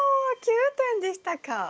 ９点でしたか！